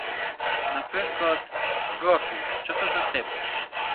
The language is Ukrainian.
Наприклад, прошу, що то за тип?